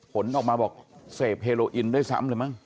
ผลออกมาบอกเสพเฮโลอินด้วยซ้ำเลยมั้ง